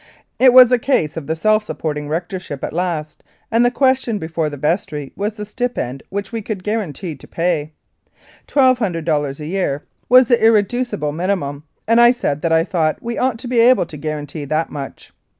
It was a case of the self supporting rectorship at last, and the question before the vestry was the stipend which we could guarantee to pay. Twelve hundred dollars a year was the irreducible minimum, and I said that I thought we ought to be able to guarantee that much.